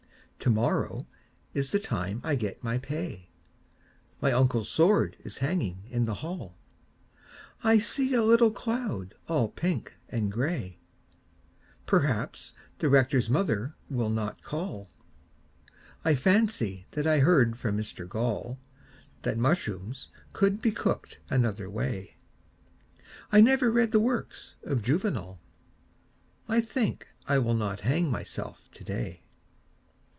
Tomorrow is the time I get my pay My uncle's sword is hanging in the hall I see a little cloud all pink and grey Perhaps the Rector's mother will not call I fancy that I heard from Mr Gall That mushrooms could be cooked another way I never read the works of Juvenal I think I will not hang myself today.